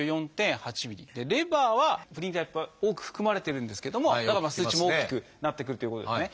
でレバーはプリン体やっぱ多く含まれてるんですけどもだからまあ数値も大きくなってくるということですね。